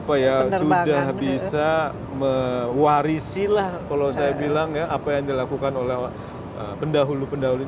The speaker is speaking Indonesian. apa ya sudah bisa mewarisi lah kalau saya bilang ya apa yang dilakukan oleh pendahulu pendahulu